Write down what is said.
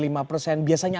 dan biasanya apa yang terjadi